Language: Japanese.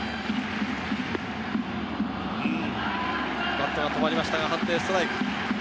バットが止まりましたが、判定ストライク。